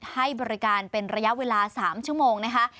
ให้บริการเป็นระยะเวลา๓ชั่วโมงนะคะ